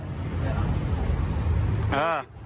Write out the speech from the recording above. พี่เขาบอกพี่ไปขยับกระจก๕๖ทีเพื่อมองหน้ามองเขาเนี่ยจริงมั้ย